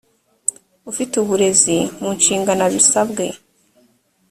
ufite uburezi mu nshingano abisabwe